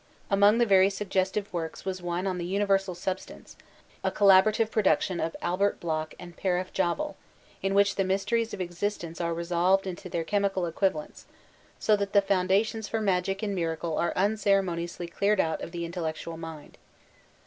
Among the very suggestive works was one on "The Universal Substance," a collaborate production of Albert Bloch and Paraf Javal, in which the mysteries of existence are resolved into their chemical equivalents, so that the fotmdations for magic and miracle are unceremoniously cleared out of the intellectual field.